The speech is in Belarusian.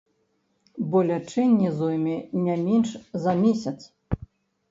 Бо лячэнне зойме не менш за месяц.